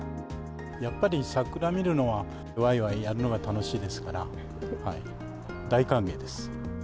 やっぱり桜見るのは、わいわいやるのが楽しいですから、大歓迎です。